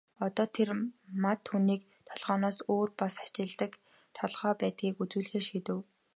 Одоо тэрээр Мад түүний толгойноос өөр бас ажилладаг толгой байдгийг үзүүлэхээр шийдэв.